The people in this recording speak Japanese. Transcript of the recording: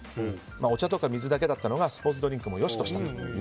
お茶とか水だけだったのがスポーツドリンクも良しとしたと。